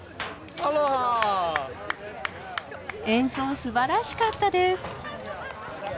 演奏すばらしかったです。